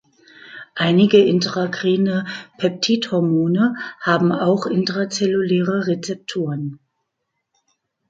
Einige intrakrine Peptidhormone haben auch intrazelluläre Rezeptoren.